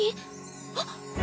あっ。